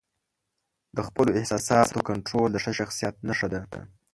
د خپلو احساساتو کنټرول د ښه شخصیت نښه ده.